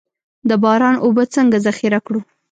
د باران اوبه څنګه ذخیره کړو؟